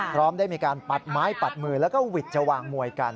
พร้อมได้มีการปัดไม้ปัดมือแล้วก็หวิดจะวางมวยกัน